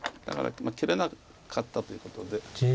だから切れなかったということで。